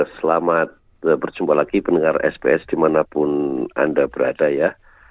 selamat berjumpa lagi pendengar sps dimanapun anda berada ya